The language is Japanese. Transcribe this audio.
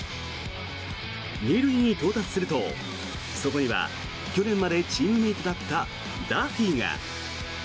２塁に到達すると、そこには去年までチームメートだったダフィーが。